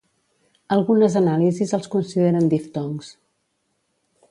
Algunes anàlisis els consideren diftongs.